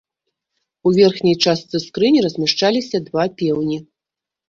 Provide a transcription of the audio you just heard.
У верхняй частцы скрыні размяшчаліся два пеўні.